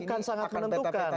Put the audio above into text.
bukan sangat menentukan